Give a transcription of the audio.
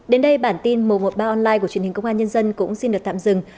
đến đây bản tin mùa một ba online của truyền hình công an nhân dân cũng xin được tạm dừng